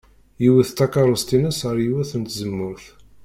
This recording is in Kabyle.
Iwet takeṛṛust-ines ar yiwet n tzemmurt.